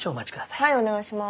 はいお願いします。